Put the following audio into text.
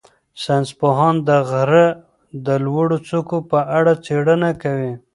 ساینس پوهان د غره د لوړو څوکو په اړه څېړنه کوي.